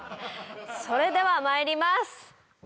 それではまいります！